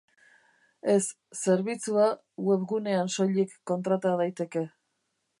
Ez, zerbitzua webgunean soilik kontrata daiteke.